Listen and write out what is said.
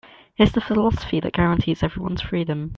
It's the philosophy that guarantees everyone's freedom.